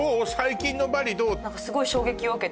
すごい衝撃を受けて。